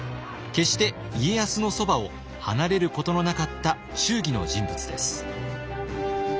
決して家康のそばを離れることのなかった忠義の人物です。